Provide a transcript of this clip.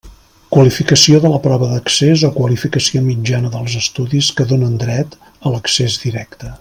Qualificació de la prova d'accés o qualificació mitjana dels estudis que donen dret a l'accés directe.